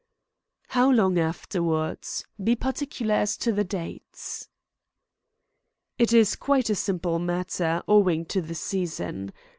"How long afterwards? Be particular as to dates." "It is quite a simple matter, owing to the season.